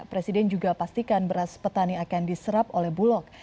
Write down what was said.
presiden juga pastikan beras petani akan diserap oleh bulog